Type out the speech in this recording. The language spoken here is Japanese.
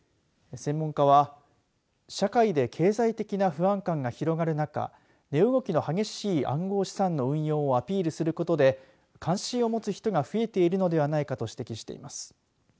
専門家は社会で経済的な不安感が広がる中値動きの激しい暗号資産の運用をアピールすることで関心を持つ人が増えているのではないかと指摘しています。